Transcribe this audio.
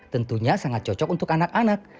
tentunya sangat cocok untuk anak anak